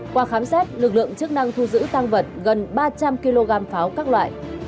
qua khám xét lực lượng chức năng thu giữ tăng vật gần ba trăm linh kg pháo các loại